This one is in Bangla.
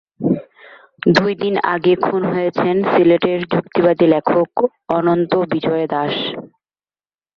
দুই দিন আগে খুন হয়েছেন সিলেটের যুক্তিবাদী লেখক অনন্ত বিজয় দাশ।